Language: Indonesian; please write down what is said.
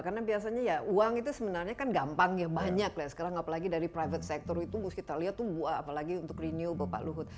karena biasanya ya uang itu sebenarnya kan gampang ya banyak lah sekarang apalagi dari private sector itu harus kita lihat tuh apalagi untuk renewal bapak luhut